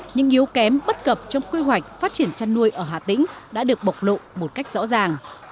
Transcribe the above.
những yếu kém bất cập trong quy hoạch phát triển chăn nuôi ở hà tĩnh đã được bộc lộ một cách rõ ràng